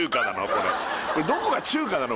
これこれどこが中華なの？